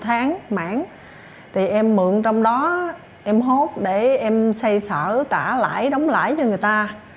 một mươi tháng mảng thì em mượn trong đó em hốt để em xây sở tả lãi đóng lãi cho người ta